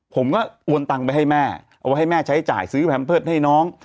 ผมก็อวนตังค์ไปให้แม่เอาไว้ให้แม่ใช้จ่ายซื้อแผ่มเพิ่ดให้น้อง